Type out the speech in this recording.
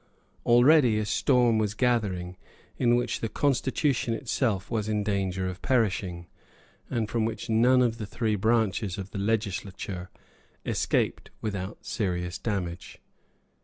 Already a storm was gathering in which the Constitution itself was in danger of perishing, and from which none of the three branches of the legislature escaped without serious damage.